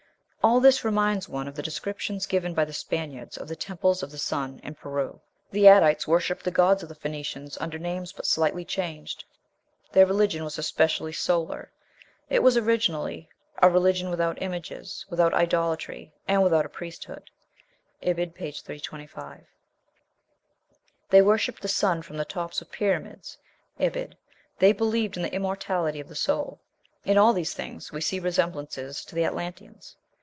All this reminds one of the descriptions given by the Spaniards of the temples of the sun in Peru. The Adites worshipped the gods of the Phoenicians under names but slightly changed; "their religion was especially solar... It was originally a religion without images, without idolatry, and without a priesthood." (Ibid., p. 325.) They "worshipped the sun from the tops of pyramids." (Ibid.) They believed in the immortality of the soul. In all these things we see resemblances to the Atlanteans.